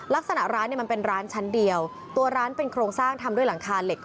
ร้านเนี่ยมันเป็นร้านชั้นเดียวตัวร้านเป็นโครงสร้างทำด้วยหลังคาเหล็ก